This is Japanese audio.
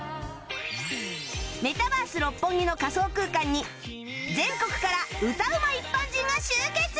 メタバース六本木の仮想空間に全国から歌うま一般人が集結！